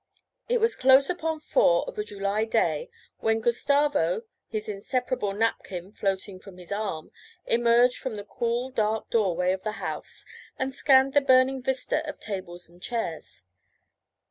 It was close upon four of a July day, when Gustavo, his inseparable napkin floating from his arm, emerged from the cool dark doorway of the house and scanned the burning vista of tables and chairs.